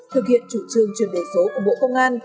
thực hiện chủ trương chuyển đổi số của bộ công an